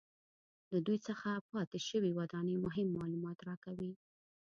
له دوی څخه پاتې شوې ودانۍ مهم معلومات راکوي